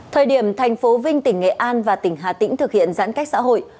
thời điểm thành phố vinh tỉnh nghệ an và tỉnh hà tĩnh thực hiện giãn cách xã hội